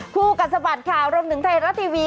กัดสะบัดข่าวรวมถึงไทยรัฐทีวี